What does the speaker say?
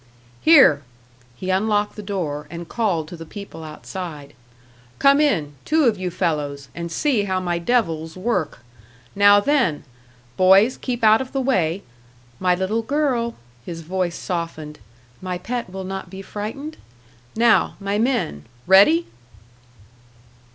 "Here!" He unlocked the door, and called to the people outside. "Come in, two of you fellows, and see how my devils work. Now then! Boys, keep out of the way; my little girl" his voice softened "my pet will not be frightened? Now, my men ready?"